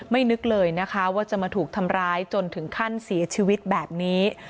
นึกเลยนะคะว่าจะมาถูกทำร้ายจนถึงขั้นเสียชีวิตแบบนี้